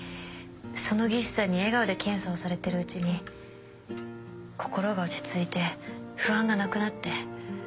その技師さんに笑顔で検査をされてるうちに心が落ち着いて不安がなくなって。